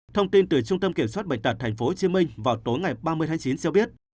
thông tin từ trung tâm kiểm soát bệnh tật tp hcm vào tối ngày ba mươi tháng chín cho biết